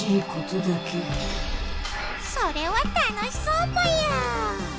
それは楽しそうぽよ！